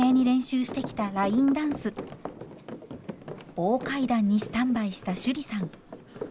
大階段にスタンバイした趣里さん。